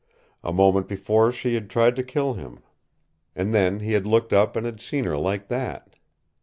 A moment before she had tried to kill him. And then he had looked up and had seen her like that!